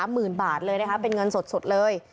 หมื่นบาทเลยนะคะเป็นเงินสดเลย